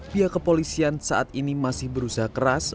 pihak kepolisian saat ini masih berusaha keras